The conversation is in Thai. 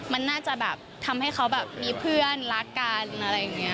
มันน่าจะแบบทำให้เขาแบบมีเพื่อนรักกันอะไรอย่างนี้